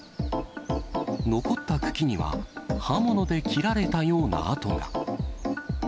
残った茎には、刃物で切られたような跡が。